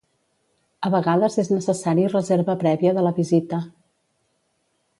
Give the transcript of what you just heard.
A vegades és necessari reserva prèvia de la visita.